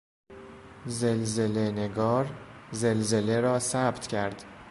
زلزلهنگار زلزله را ثبت کرد.